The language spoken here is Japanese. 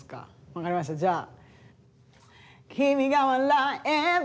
分かりましたじゃあ。